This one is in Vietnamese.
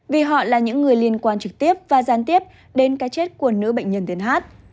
vì họ là những người liên quan trực tiếp và gián tiếp đến cái chết của nữ bệnh nhân tiến hát